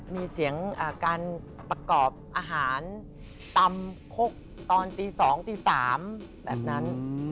มีเสียงการประกอบอาหารตำคกตอนตี๒ตี๓แบบนั้น